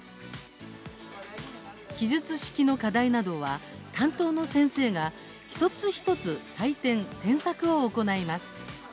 記述式の課題などは担当の先生が一つ一つ採点・添削を行います。